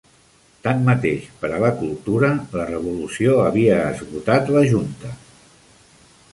Tanmateix, per a la cultura, la Revolució havia esgotat la Junta.